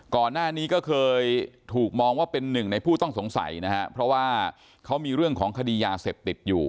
ก่อนหน้านี้ก็เคยถูกมองว่าเป็นหนึ่งในผู้ต้องสงสัยนะฮะเพราะว่าเขามีเรื่องของคดียาเสพติดอยู่